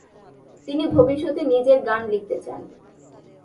তিনি ভবিষ্যতে নিজের গান লিখতে চান।